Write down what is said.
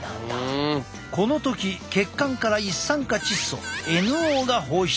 この時血管から一酸化窒素ＮＯが放出。